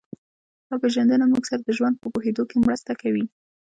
دا پېژندنه موږ سره د ژوند په پوهېدو کې مرسته کوي